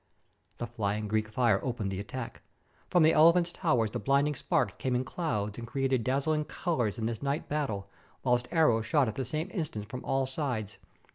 '" The flying Greek fire opened the attack. From the elephants' towers the blinding sparks came in clouds, and created dazzling colors in this night battle, whilst arrows shot at the same instant from all sides.